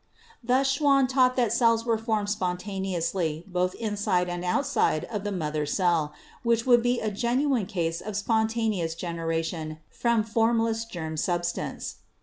Thus Schwann taught that cells were formed spontaneously both inside and outside of the mother cell, which would be a genuine case of spontaneous generation from formless germ substance."